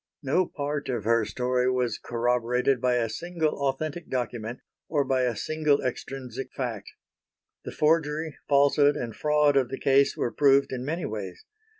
No part of her story was corroborated by a single authentic document, or by a single extrinsic fact. The forgery, falsehood and fraud of the case were proved in many ways.